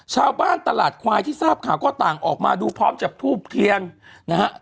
ชาวบ้านตลาดควายที่ทราบข่าวก็ต่างออกมาดูพร้อมจับทูบเทียนนะฮะ